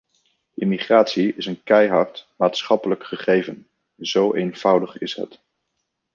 Immigratie is een keihard maatschappelijk gegeven – zo eenvoudig is het.